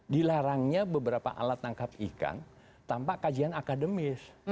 dilarangnya beberapa alat tangkap ikan tanpa kajian akademis